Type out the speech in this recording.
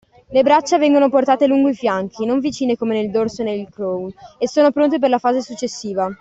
Le braccia vengono portate lungo i fianchi (non vicine come nel dorso e nel crawl) e sono pronte per la fase successiva.